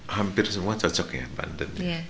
hampir semua cocok ya banten